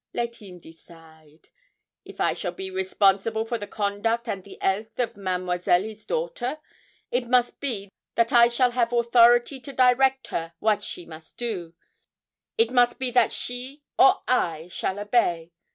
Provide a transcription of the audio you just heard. Let him decide. If I shall be responsible for the conduct and the health of Mademoiselle his daughter, it must be that I shall have authority to direct her wat she must do it must be that she or I shall obey.